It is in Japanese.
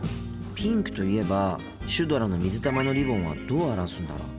ピンクといえばシュドラの水玉のリボンはどう表すんだろう。